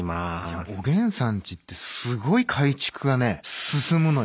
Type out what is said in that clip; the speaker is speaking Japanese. おげんさんちってすごい改築がね進むのよ。